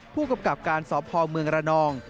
ผู้กำกับการสพเมืองระนอง